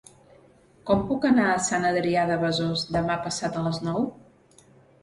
Com puc anar a Sant Adrià de Besòs demà passat a les nou?